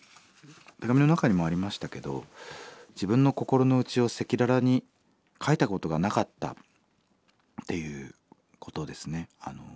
手紙の中にもありましたけど「自分の心の内を赤裸々に書いたことがなかった」っていうことですね。